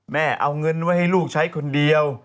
เอาเงินไว้ให้ลูกใช้คนเดียว